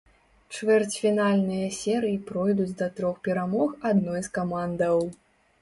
Чвэрцьфінальныя серыі пройдуць да трох перамог адной з камандаў.